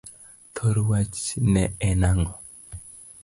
thor wach ne en ango?